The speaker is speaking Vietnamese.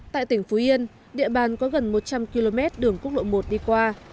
tại tỉnh phú yên địa bàn có gần một trăm linh km đường quốc lộ một đi qua